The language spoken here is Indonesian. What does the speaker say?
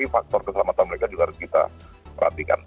faktor keselamatan mereka juga harus kita perhatikan